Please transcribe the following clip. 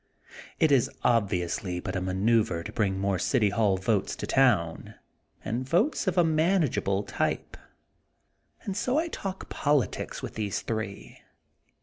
It is obviously but a ma neuver to bring more City Hall votes to town and votes of a manageable type. And so I talk politics with these three.